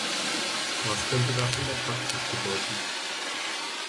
Was könnte das in der Praxis bedeuten?